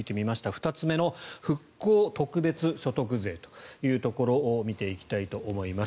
２つ目の復興特別所得税を見ていきたいと思います。